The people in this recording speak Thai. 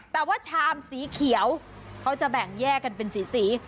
แต่ว่าชามสีเขียวเขาจะแบ่งแยกกันเป็นสี